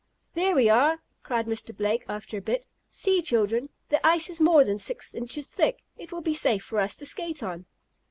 "There we are!" cried Mr. Blake, after a bit. "See, children, the ice is more than six inches thick. It will be safe for us to skate on!"